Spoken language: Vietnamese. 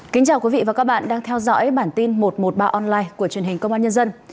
kính chào quý vị và các bạn đang theo dõi bản tin một trăm một mươi ba online của truyền hình công an nhân dân